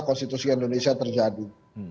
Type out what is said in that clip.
konstitusi indonesia terjadi